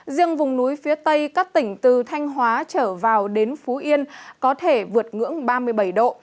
riêng vùng núi phía tây các tỉnh từ thanh hóa trở vào đến phú yên có thể vượt ngưỡng ba mươi bảy độ